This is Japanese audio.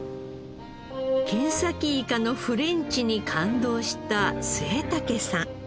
ケンサキイカのフレンチに感動した末竹さん。